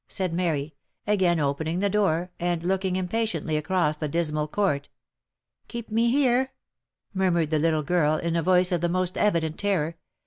said Mary, again opening the door, and looking impatiently across the dismal court. " Keep me here V murmured the little girl,' in a voice of the most evident terror.